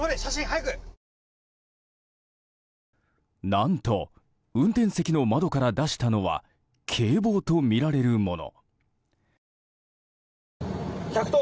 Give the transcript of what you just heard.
何と運転席の窓から出したのは警棒とみられるもの。